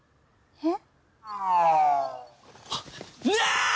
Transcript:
えっ？